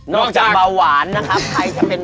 จากเบาหวานนะครับใครจะเป็น